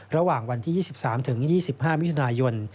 ระหว่างวันที่๒๓๒๕มิถุนายน